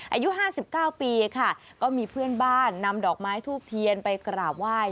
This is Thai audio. อายุ๕๙ปีค่ะก็มีเพื่อนบ้านนำดอกไม้ทูบเทียนไปกราบไหว้